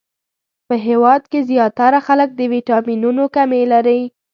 په هیواد کښی ځیاتره خلک د ويټامنونو کمې لری